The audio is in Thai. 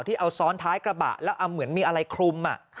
เอาซ้อนท้ายกระบะแล้วเหมือนมีอะไรคลุม